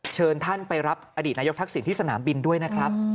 เชิญท่านไปรับอดีตนายกทักษิณที่สนามบินด้วยนะครับ